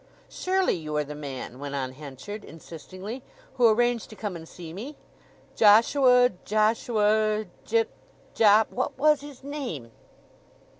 "Surely you are the man," went on Henchard insistingly, "who arranged to come and see me? Joshua, Joshua, Jipp—Jopp—what was his name?"